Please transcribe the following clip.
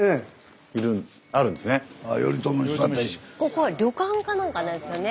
ここは旅館かなんかなんですよね。